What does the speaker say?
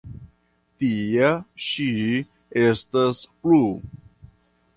Tia ŝi estas plu.